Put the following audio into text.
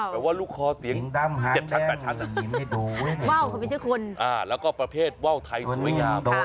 แปลว่าลูกคอเสียงเจ็บชั้นแปดชั้นว่าวเขาไม่ใช่คนอ่าแล้วก็ประเภทว่าวไทยสวยงาม